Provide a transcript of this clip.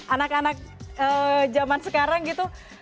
anak anak zaman sekarang gitu